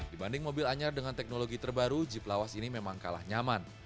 dibanding mobil anyar dengan teknologi terbaru jeep lawas ini memang kalah nyaman